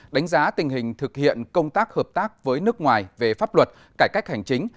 đánh giá tình hình thực hiện công tác hợp tác với nước ngoài về pháp luật cải cách hành chính